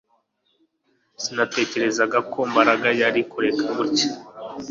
Sinatekerezaga ko Mbaraga yari kureka gutya